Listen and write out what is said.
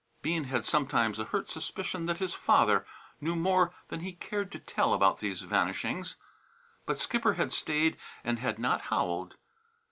Bean had sometimes a hurt suspicion that his father knew more than he cared to tell about these vanishings. But Skipper had stayed and had not howled.